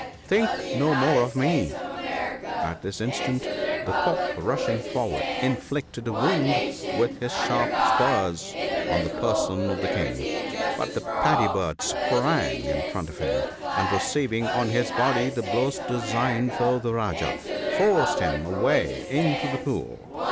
"Think no more of me." At this instant the Cock rushing forward, inflicted a wound with his sharp spurs on the person of the King ; but the Paddy bird sprang in front of him, and receiving on his body the blows designed for the Rajah, forced him away into the pool.